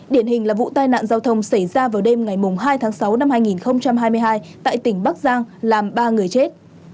điển hình là vụ tai nạn giao thông xảy ra vào đêm ngày hai tháng sáu năm hai nghìn hai mươi hai tại tỉnh bắc giang làm ba người chết